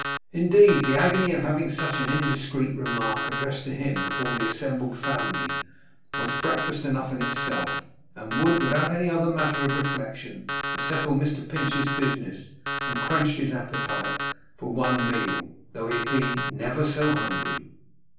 Indeed, the agony of having such an indiscreet remark addressed to him before the assembled family, was breakfast enough in itself, and would, without any other matter of reflection, have settled Mr Pinch's business and quenched his appetite, for one meal, though he had been never so hungry.